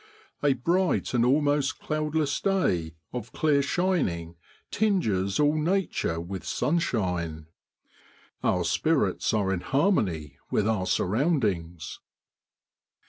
A bright and almost cloudless day of clear shining tinges all nature with sunshine. Our spirits are in harmony with our surroundings.